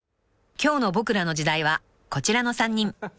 ［今日の『ボクらの時代』はこちらの３人］